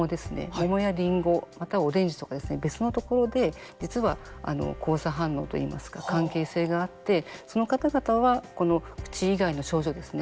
モモやリンゴまたはオレンジとか別のところで実は交差反応といいますか関係性があって、その方々はこの口以外の症状ですね